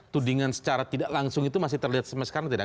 tudingan secara tidak langsung itu masih terlihat sampai sekarang tidak